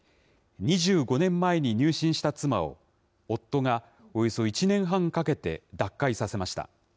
２５年前に入信した妻を、夫がおよそ１年半かけて脱会させました。